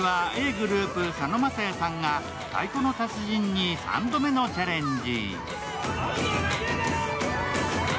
ｇｒｏｕｐ・佐野晶哉さんが「太鼓の達人」に３度目のチャレンジ。